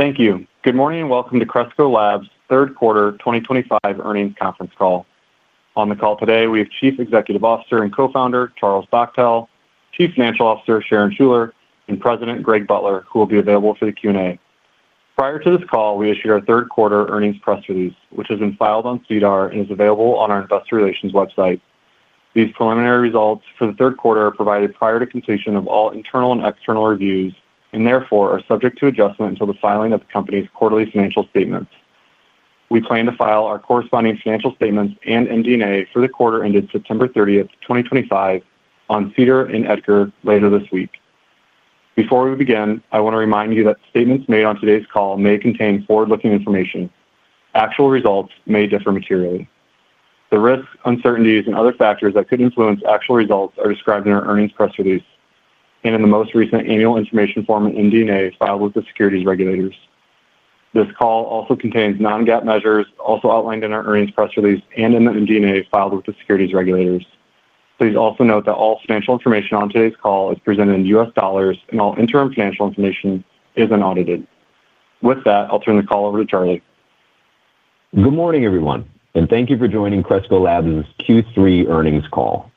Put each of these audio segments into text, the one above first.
Thank you. Good morning and Welcome To Cresco Labs' Third Quarter 2025 Earnings Conference Call. On the call today, we have Chief Executive Officer and Co-founder Charlie Bachtell, Chief Financial Officer Sharon Schuler, and President Greg Butler, who will be available for the Q&A. Prior to this call, we issued our third quarter earnings press release, which has been filed on CDOR and is available on our investor relations website. These preliminary results for the third quarter are provided prior to completion of all internal and external reviews and therefore are subject to adjustment until the filing of the company's quarterly financial statements. We plan to file our corresponding financial statements and MD&A for the quarter ended September 30, 2025, on CDOR and EDGAR later this week. Before we begin, I want to remind you that statements made on today's call may contain forward-looking information. Actual results may differ materially. The risks, uncertainties, and other factors that could influence actual results are described in our earnings press release and in the most recent annual information form and MD&A filed with the securities regulators. This call also contains non-GAAP measures also outlined in our earnings press release and in the MD&A filed with the securities regulators. Please also note that all financial information on today's call is presented in U.S. dollars, and all interim financial information is unaudited. With that, I'll turn the call over to Charlie. Good morning, everyone, and thank you for joining Cresco Labs' Q3 Earnings Call.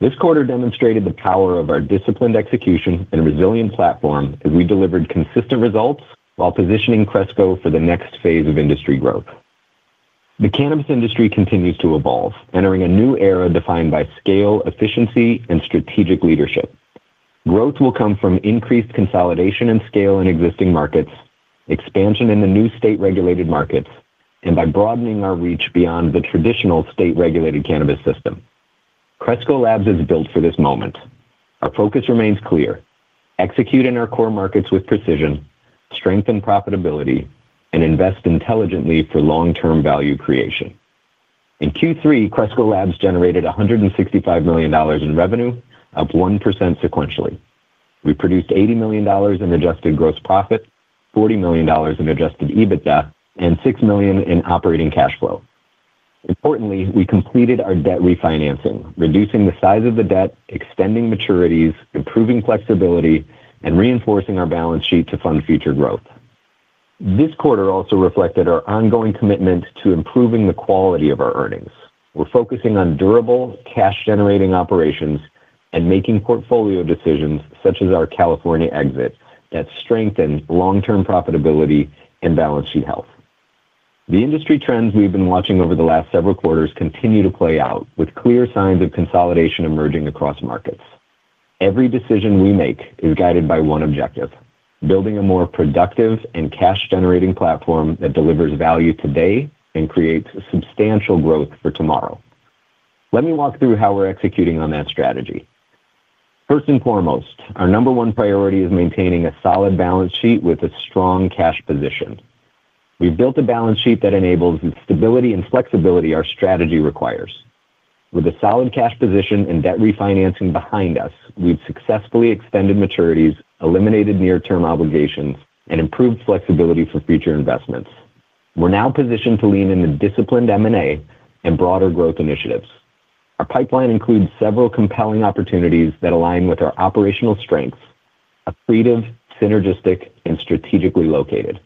This quarter demonstrated the power of our disciplined execution and resilient platform as we delivered consistent results while positioning Cresco for the next phase of industry growth. The Cannabis Industry continues to evolve, entering a new era defined by scale, efficiency, and strategic leadership. Growth will come from increased consolidation and scale in existing markets, expansion in the new state-regulated markets, and by broadening our reach beyond the traditional state-regulated cannabis system. Cresco Labs is built for this moment. Our focus remains clear: execute in our core markets with precision, strengthen profitability, and invest intelligently for long-term value creation. In Q3, Cresco Labs generated $165 million in revenue, up 1% sequentially. We produced $80 million in adjusted gross profit, $40 million in adjusted EBITDA, and $6 million in operating cash flow. Importantly, we completed our debt refinancing, reducing the size of the debt, extending maturities, improving flexibility, and reinforcing our balance sheet to fund future growth. This quarter also reflected our ongoing commitment to improving the quality of our earnings. We're focusing on durable, cash-generating operations and making portfolio decisions such as our California exit that strengthens long-term profitability and balance sheet health. The industry trends we've been watching over the last several quarters continue to play out, with clear signs of consolidation emerging across markets. Every decision we make is guided by one objective: building a more productive and cash-generating platform that delivers value today and creates substantial growth for tomorrow. Let me walk through how we're executing on that strategy. First and foremost, our number one priority is maintaining a solid balance sheet with a strong cash position. We've built a balance sheet that enables the stability and flexibility our strategy requires. With a solid cash position and debt refinancing behind us, we've successfully extended maturities, eliminated near-term obligations, and improved flexibility for future investments. We're now positioned to lean into disciplined M&A and broader growth initiatives. Our pipeline includes several compelling opportunities that align with our operational strengths: accretive, synergistic, and strategically located.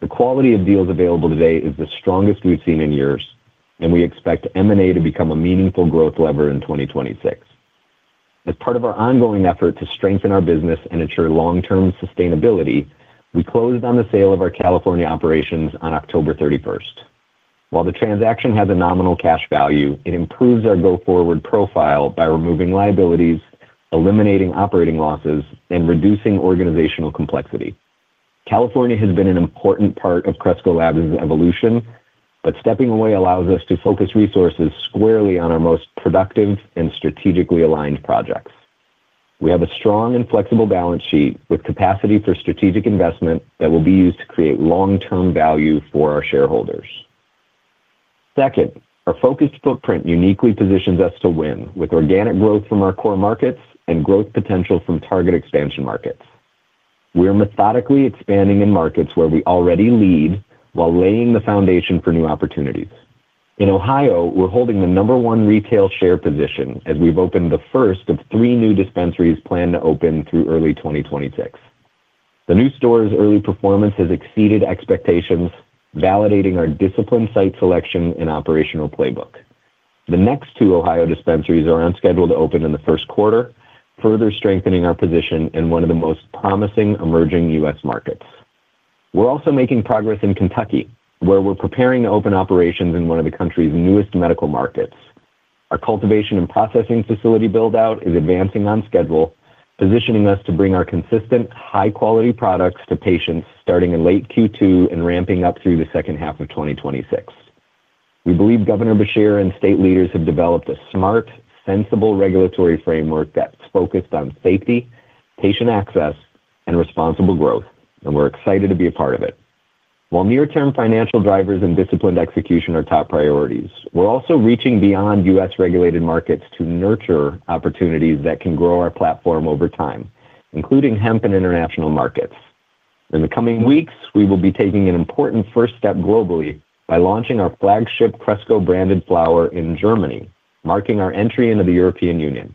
The quality of deals available today is the strongest we've seen in years, and we expect M&A to become a meaningful growth lever in 2026. As part of our ongoing effort to strengthen our business and ensure long-term sustainability, we closed on the sale of our California operations on October 31st. While the transaction has a nominal cash value, it improves our go-forward profile by removing liabilities, eliminating operating losses, and reducing organizational complexity. California has been an important part of Cresco Labs' evolution, but stepping away allows us to focus resources squarely on our most productive and strategically aligned projects. We have a strong and flexible balance sheet with capacity for strategic investment that will be used to create long-term value for our shareholders. Second, our focused footprint uniquely positions us to win, with organic growth from our core markets and growth potential from target expansion markets. We're methodically expanding in markets where we already lead while laying the foundation for new opportunities. In Ohio, we're holding the number one retail share position as we've opened the first of three new dispensaries planned to open through early 2026. The new store's early performance has exceeded expectations, validating our disciplined site selection and operational playbook. The next two Ohio dispensaries are on schedule to open in the first quarter, further strengthening our position in one of the most promising emerging U.S. markets. We're also making progress in Kentucky, where we're preparing to open operations in one of the country's newest medical markets. Our cultivation and processing facility build-out is advancing on schedule, positioning us to bring our consistent, high-quality products to patients starting in late Q2 and ramping up through the second half of 2026. We believe Governor Beshear and state leaders have developed a smart, sensible regulatory framework that's focused on safety, patient access, and responsible growth, and we're excited to be a part of it. While near-term financial drivers and disciplined execution are top priorities, we're also reaching beyond U.S.-regulated markets to nurture opportunities that can grow our platform over time, including hemp and international markets. In the coming weeks, we will be taking an important first step globally by launching our flagship Cresco-branded flower in Germany, marking our entry into the European Union.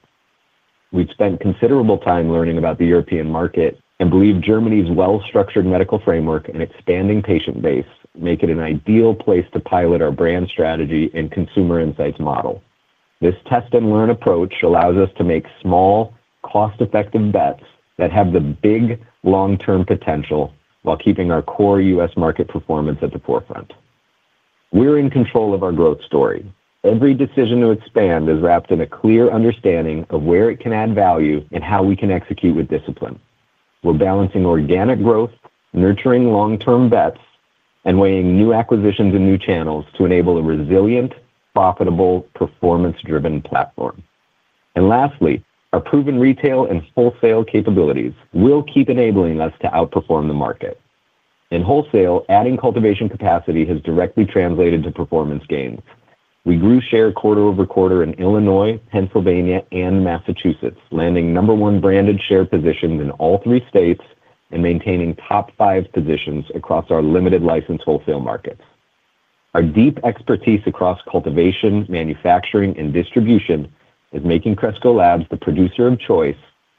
We've spent considerable time learning about the European market and believe Germany's well-structured medical framework and expanding patient base make it an ideal place to pilot our brand strategy and consumer insights model. This test-and-learn approach allows us to make small, cost-effective bets that have the big, long-term potential while keeping our core U.S. market performance at the forefront. We're in control of our growth story. Every decision to expand is wrapped in a clear understanding of where it can add value and how we can execute with discipline. We're balancing organic growth, nurturing long-term bets, and weighing new acquisitions and new channels to enable a resilient, profitable, performance-driven platform. Lastly, our proven retail and wholesale capabilities will keep enabling us to outperform the market. In wholesale, adding cultivation capacity has directly translated to performance gains. We grew share quarter over quarter in Illinois, Pennsylvania, and Massachusetts, landing number one branded share positions in all three states and maintaining top five positions across our limited-license wholesale markets. Our deep expertise across cultivation, manufacturing, and distribution is making Cresco Labs the producer of choice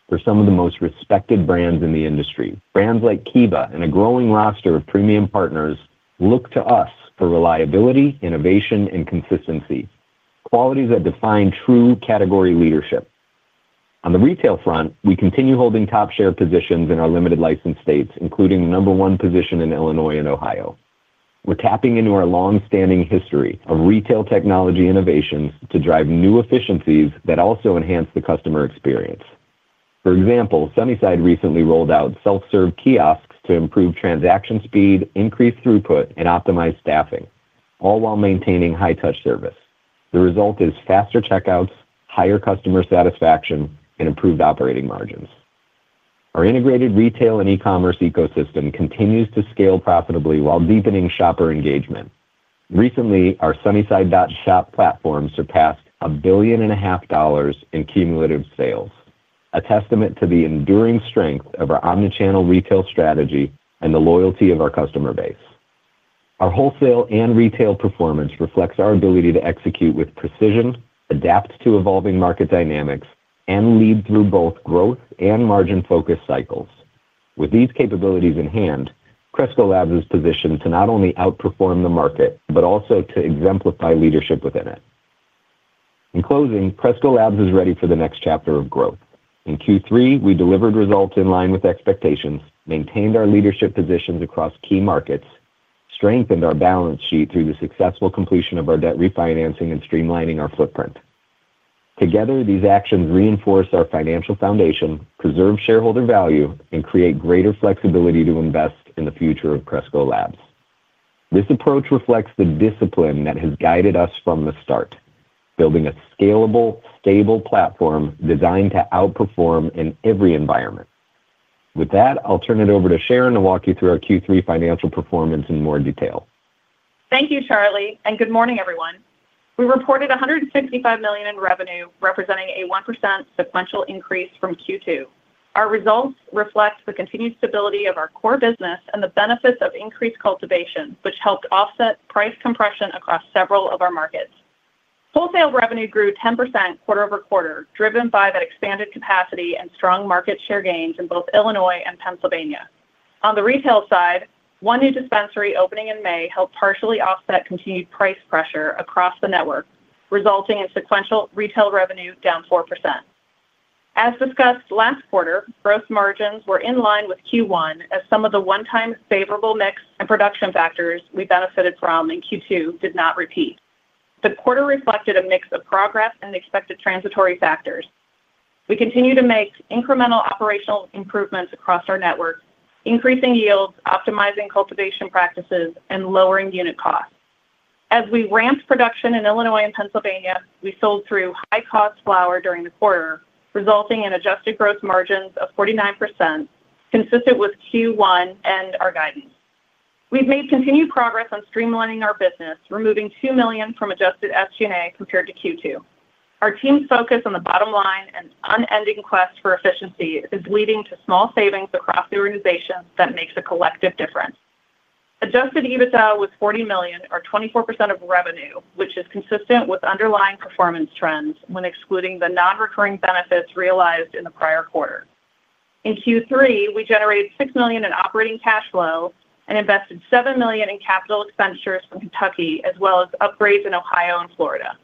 for some of the most respected brands in the industry. Brands like Kiva and a growing roster of premium partners look to us for reliability, innovation, and consistency, qualities that define true category leadership. On the retail front, we continue holding top share positions in our limited-license states, including the number one position in Illinois and Ohio. We're tapping into our long-standing history of retail technology innovations to drive new efficiencies that also enhance the customer experience. For example, Sunnyside recently rolled out self-serve kiosks to improve transaction speed, increase throughput, and optimize staffing, all while maintaining high-touch service. The result is faster checkouts, higher customer satisfaction, and improved operating margins. Our integrated retail and E-commerce ecosystem continues to scale profitably while deepening shopper engagement. Recently, our Sunnyside Shop platform surpassed $1.5 billion in cumulative sales, a testament to the enduring strength of our omnichannel retail strategy and the loyalty of our customer base. Our wholesale and retail performance reflects our ability to execute with precision, adapt to evolving market dynamics, and lead through both growth and margin-focused cycles. With these capabilities in hand, Cresco Labs is positioned to not only outperform the market but also to exemplify leadership within it. In closing, Cresco Labs is ready for the next chapter of growth. In Q3, we delivered results in line with expectations, maintained our leadership positions across key markets, and strengthened our balance sheet through the successful completion of our debt refinancing and streamlining our footprint. Together, these actions reinforce our financial foundation, preserve shareholder value, and create greater flexibility to invest in the future of Cresco Labs. This approach reflects the discipline that has guided us from the start, building a scalable, stable platform designed to outperform in every environment. With that, I'll turn it over to Sharon to walk you through our Q3 financial performance in more detail. Thank you, Charlie, and good morning, everyone. We reported $165 million in revenue, representing a 1% sequential increase from Q2. Our results reflect the continued stability of our core business and the benefits of increased cultivation, which helped offset price compression across several of our markets. Wholesale revenue grew 10% quarter over quarter, driven by that expanded capacity and strong market share gains in both Illinois and Pennsylvania. On the retail side, one new dispensary opening in May helped partially offset continued price pressure across the network, resulting in sequential retail revenue down 4%. As discussed last quarter, gross margins were in line with Q1, as some of the one-time favorable mix and production factors we benefited from in Q2 did not repeat. The quarter reflected a mix of progress and expected transitory factors. We continue to make incremental operational improvements across our network, increasing yields, optimizing cultivation practices, and lowering unit costs. As we ramped production in Illinois and Pennsylvania, we sold through high-cost flower during the quarter, resulting in adjusted gross margins of 49%, consistent with Q1 and our guidance. We've made continued progress on streamlining our business, removing $2 million from adjusted SG&A compared to Q2. Our team's focus on the bottom line and unending quest for efficiency is leading to small savings across the organization that makes a collective difference. Adjusted EBITDA was $40 million, or 24% of revenue, which is consistent with underlying performance trends when excluding the non-recurring benefits realized in the prior quarter. In Q3, we generated $6 million in operating cash flow and invested $7 million in capital expenditures for Kentucky, as well as upgrades in Ohio and Florida.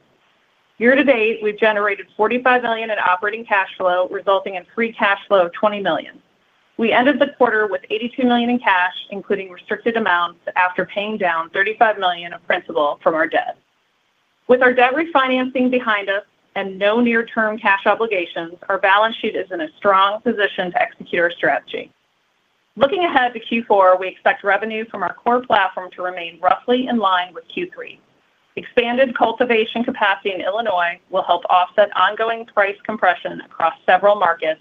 Year to date, we've generated $45 million in operating cash flow, resulting in free cash flow of $20 million. We ended the quarter with $82 million in cash, including restricted amounts, after paying down $35 million of principal from our debt. With our debt refinancing behind us and no near-term cash obligations, our balance sheet is in a strong position to execute our strategy. Looking ahead to Q4, we expect revenue from our core platform to remain roughly in line with Q3. Expanded cultivation capacity in Illinois will help offset ongoing price compression across several markets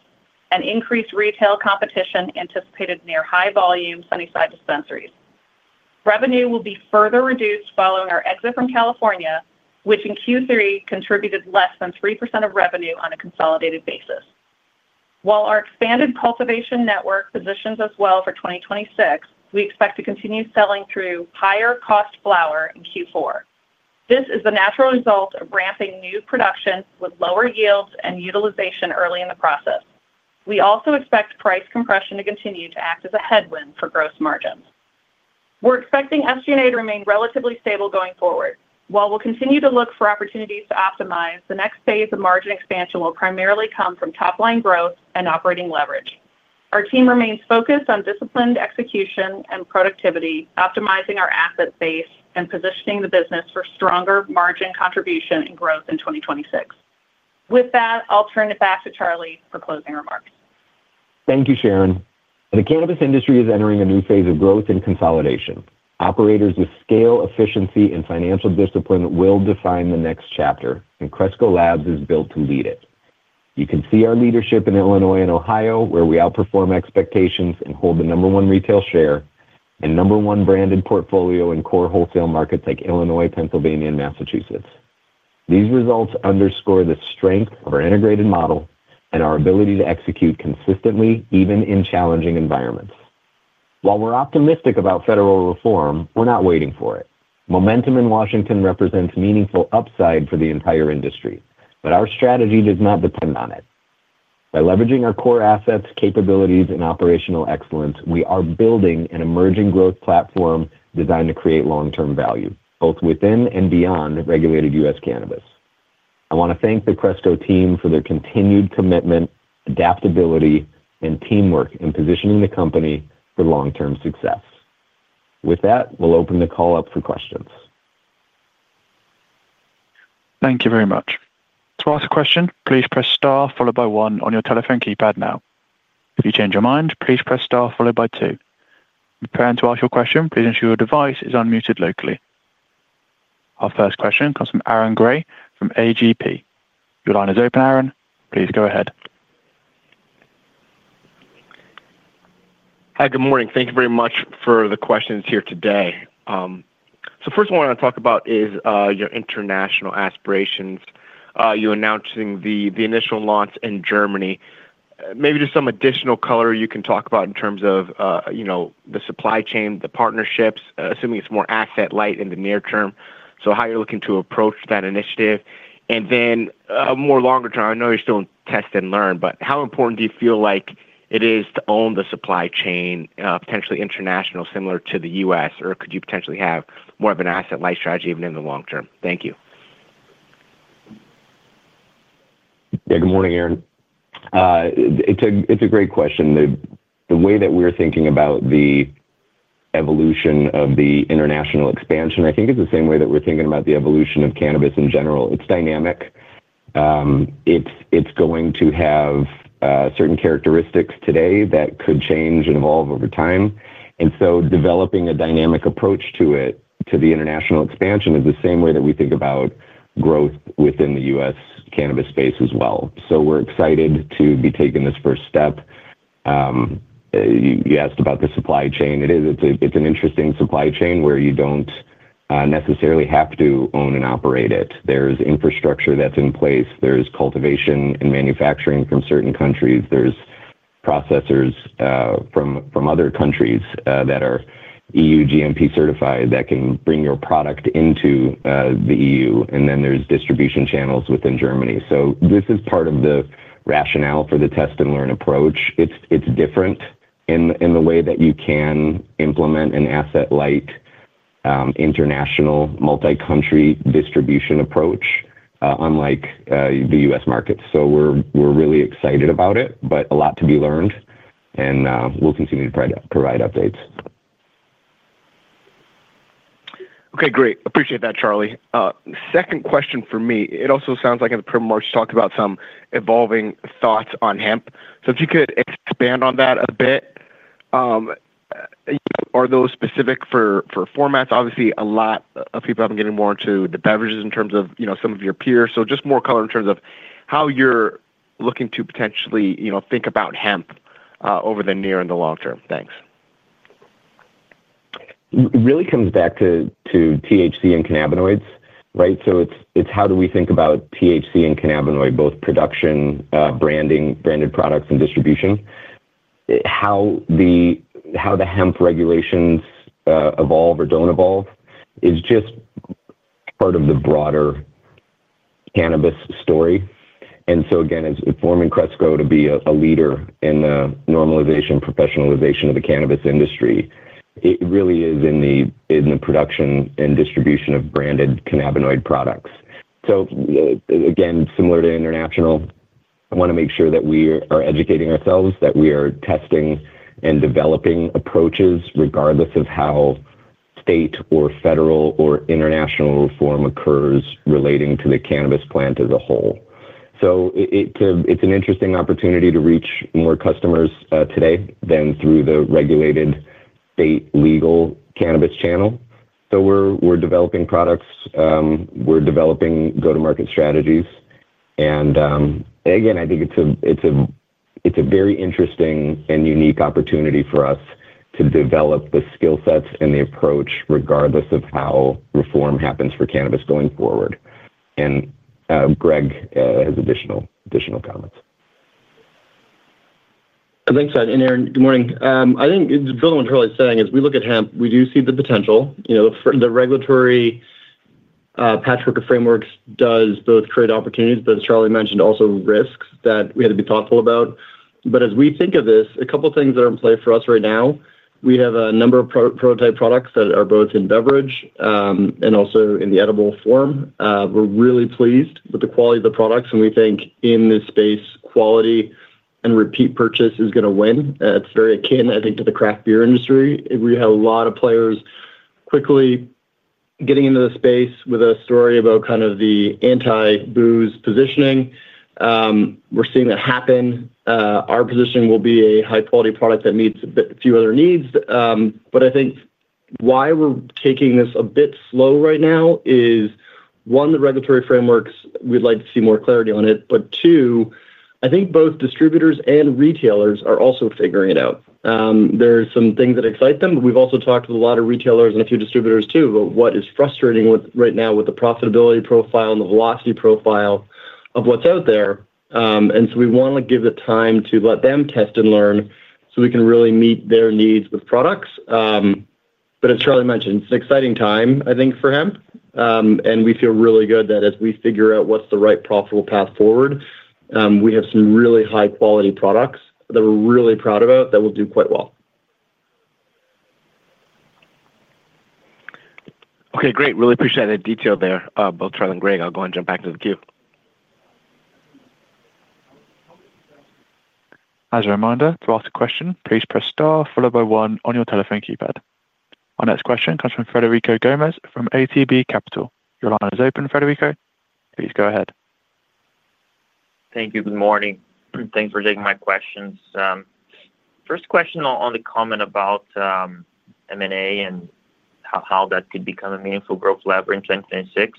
and increase retail competition anticipated near high-volume Sunnyside dispensaries. Revenue will be further reduced following our exit from California, which in Q3 contributed less than 3% of revenue on a consolidated basis. While our expanded cultivation network positions us well for 2026, we expect to continue selling through higher-cost flower in Q4. This is the natural result of ramping new production with lower yields and utilization early in the process. We also expect price compression to continue to act as a headwind for gross margins. We're expecting SG&A to remain relatively stable going forward. While we'll continue to look for opportunities to optimize, the next phase of margin expansion will primarily come from top-line growth and operating leverage. Our team remains focused on disciplined execution and productivity, optimizing our asset base and positioning the business for stronger margin contribution and growth in 2026. With that, I'll turn it back to Charlie for closing remarks. Thank you, Sharon. The cannabis industry is entering a new phase of growth and consolidation. Operators with scale, efficiency, and financial discipline will define the next chapter, and Cresco Labs is built to lead it. You can see our leadership in Illinois and Ohio, where we outperform expectations and hold the number one retail share and number one branded portfolio in core wholesale markets like Illinois, Pennsylvania, and Massachusetts. These results underscore the strength of our integrated model and our ability to execute consistently, even in challenging environments. While we're optimistic about federal reform, we're not waiting for it. Momentum in Washington represents meaningful upside for the entire industry, but our strategy does not depend on it. By leveraging our core assets, capabilities, and operational excellence, we are building an emerging growth platform designed to create long-term value, both within and beyond regulated U.S. cannabis. I want to thank the Cresco team for their continued commitment, adaptability, and teamwork in positioning the company for long-term success. With that, we'll open the call up for questions. Thank you very much. To ask a question, please press Star followed by one on your telephone keypad now. If you change your mind, please press Star followed by two. Preparing to ask your question, please ensure your device is unmuted locally. Our first question comes from Aaron Grey from AGP. Your line is open, Aaron. Please go ahead. Hi, good morning. Thank you very much for the questions here today. First, what I want to talk about is your international aspirations. You announcing the initial launch in Germany. Maybe just some additional color you can talk about in terms of the supply chain, the partnerships, assuming it's more asset-light in the near term, how you're looking to approach that initiative. A more longer term, I know you're still in test and learn, but how important do you feel like it is to own the supply chain, potentially international, similar to the U.S., or could you potentially have more of an asset-light strategy even in the long term? Thank you. Yeah, good morning, Aaron. It's a great question. The way that we're thinking about the evolution of the international expansion, I think, is the same way that we're thinking about the evolution of cannabis in general. It's dynamic. It's going to have certain characteristics today that could change and evolve over time. Developing a dynamic approach to it, to the international expansion, is the same way that we think about growth within the U.S. cannabis space as well. We are excited to be taking this first step. You asked about the supply chain. It's an interesting supply chain where you do not necessarily have to own and operate it. There is infrastructure that is in place. There is cultivation and manufacturing from certain countries. There are processors from other countries that are E.U. GMP-certified that can bring your product into the E.U. There are distribution channels within Germany. This is part of the rationale for the test and learn approach. It's different in the way that you can implement an asset-light, international, multi-country distribution approach, unlike the U.S. market. We're really excited about it, but a lot to be learned. We'll continue to provide updates. Okay, great. Appreciate that, Charlie. Second question for me. It also sounds like in the prep remarks, you talked about some evolving thoughts on hemp. If you could expand on that a bit. Are those specific for formats? Obviously, a lot of people have been getting more into the beverages in terms of some of your peers. Just more color in terms of how you're looking to potentially think about hemp over the near and the long term. Thanks. It really comes back to THC and cannabinoids, right? So it's how do we think about THC and cannabinoid, both production, branding, branded products, and distribution. How the hemp regulations evolve or don't evolve is just part of the broader cannabis story. And so again, it's forming Cresco to be a leader in the normalization, professionalization of the cannabis industry. It really is in the production and distribution of branded cannabinoid products. So again, similar to international, I want to make sure that we are educating ourselves, that we are testing and developing approaches, regardless of how state or federal or international reform occurs relating to the cannabis plant as a whole. It's an interesting opportunity to reach more customers today than through the regulated state legal cannabis channel. So we're developing products. We're developing go-to-market strategies. And. Again, I think it's a very interesting and unique opportunity for us to develop the skill sets and the approach, regardless of how reform happens for cannabis going forward. Greg has additional comments. Thanks, Scott. Aaron, good morning. I think what Charlie's saying is we look at hemp, we do see the potential. The regulatory patchwork of frameworks does both create opportunities, but as Charlie mentioned, also risks that we had to be thoughtful about. As we think of this, a couple of things that are in play for us right now, we have a number of prototype products that are both in beverage and also in the edible form. We're really pleased with the quality of the products. We think in this space, quality and repeat purchase is going to win. It's very akin, I think, to the craft beer industry. We have a lot of players quickly getting into the space with a story about kind of the anti-booze positioning. We're seeing that happen. Our positioning will be a high-quality product that meets a few other needs. I think why we're taking this a bit slow right now is, one, the regulatory frameworks, we'd like to see more clarity on it. Two, I think both distributors and retailers are also figuring it out. There are some things that excite them. We've also talked with a lot of retailers and a few distributors too about what is frustrating right now with the profitability profile and the velocity profile of what's out there. We want to give the time to let them test and learn so we can really meet their needs with products. As Charlie mentioned, it's an exciting time, I think, for hemp. We feel really good that as we figure out what's the right profitable path forward. We have some really high-quality products that we're really proud about that will do quite well. Okay, great. Really appreciate that detail there, both Charlie and Greg. I'll go and jump back into the queue. As a reminder, to ask a question, please press Star followed by one on your telephone keypad. Our next question comes from Frederico Gomes from ATB Capital. Your line is open, Federico. Please go ahead. Thank you. Good morning. Thanks for taking my questions. First question on the comment about M&A and how that could become a meaningful growth lever in 2026.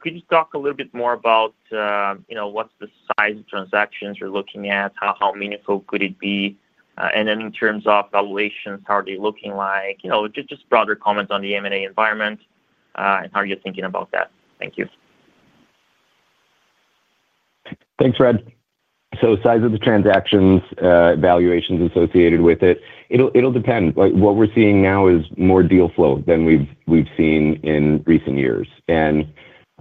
Could you talk a little bit more about what's the size of transactions you're looking at? How meaningful could it be? In terms of valuations, how are they looking like? Just broader comments on the M&A environment and how you're thinking about that. Thank you. Thanks, Fred. Size of the transactions, valuations associated with it, it'll depend. What we're seeing now is more deal flow than we've seen in recent years,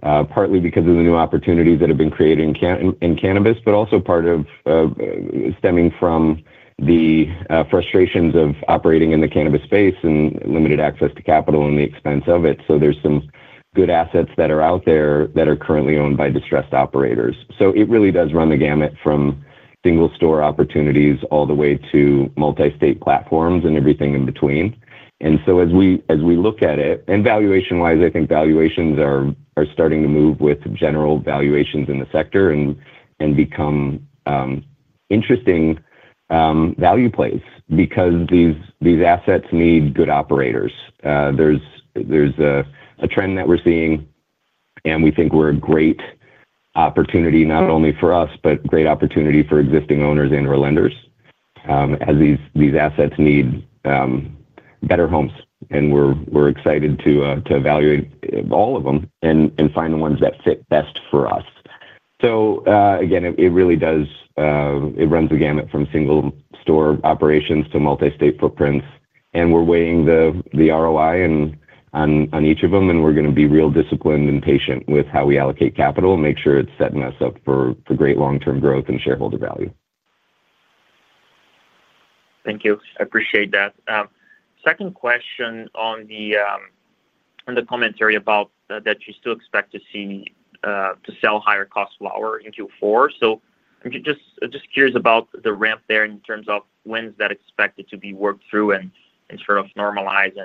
partly because of the new opportunities that have been created in cannabis, but also stemming from the frustrations of operating in the cannabis space and limited access to capital and the expense of it. There are some good assets that are out there that are currently owned by distressed operators. It really does run the gamut from single-store opportunities all the way to multi-state platforms and everything in between. As we look at it, and valuation-wise, I think valuations are starting to move with general valuations in the sector and become interesting value plays because these assets need good operators. There's. A trend that we're seeing, and we think we're a great opportunity, not only for us, but great opportunity for existing owners and/or lenders. As these assets need better homes. We're excited to evaluate all of them and find the ones that fit best for us. It runs the gamut from single-store operations to multi-state footprints. We're weighing the ROI on each of them, and we're going to be real disciplined and patient with how we allocate capital and make sure it's setting us up for great long-term growth and shareholder value. Thank you. I appreciate that. Second question on the commentary about that you still expect to sell higher-cost flower into Q4. I am just curious about the ramp there in terms of when is that expected to be worked through and sort of normalized,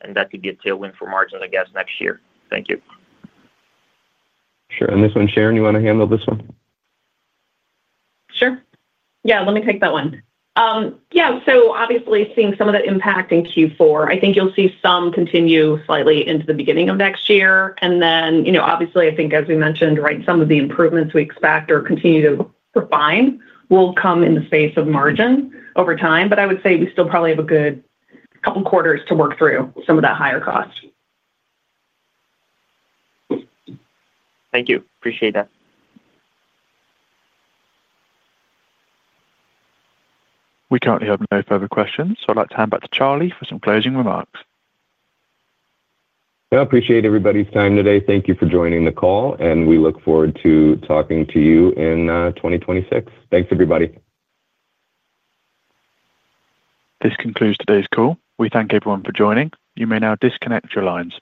and that could be a tailwind for margins, I guess, next year. Thank you. Sure. Sharon, you want to handle this one? Sure. Yeah, let me take that one. Yeah. Obviously, seeing some of the impact in Q4, I think you'll see some continue slightly into the beginning of next year. Obviously, I think, as we mentioned, some of the improvements we expect or continue to refine will come in the space of margin over time. I would say we still probably have a good couple of quarters to work through some of that higher cost. Thank you. Appreciate that. We currently have no further questions, so I'd like to hand back to Charlie for some closing remarks. I appreciate everybody's time today. Thank you for joining the call, and we look forward to talking to you in 2026. Thanks, everybody. This concludes today's call. We thank everyone for joining. You may now disconnect your lines.